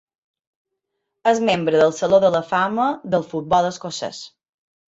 És membre del saló de la fama del futbol escocès.